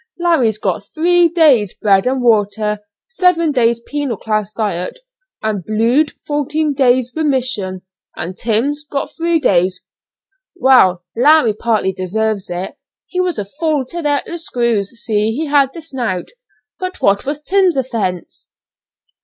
Larry's got three days' bread and water, seven days' penal class diet, and 'blued' fourteen days' remission; and Tim's got three days." Hospital. "Well, Larry partly deserves it. He was a fool to let the 'screw' see he had the 'snout;' but what was Tim's offence?"